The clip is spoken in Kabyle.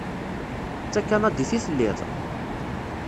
D takanadit i telliḍ?